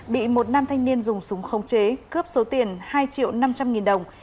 bị một nam thanh niên dùng súng không chế cướp số tiền hai triệu năm trăm linh nghìn đồng